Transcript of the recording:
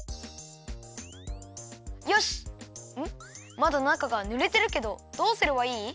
まだ中がぬれてるけどどうすればいい？